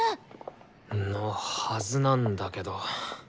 のはずなんだけど。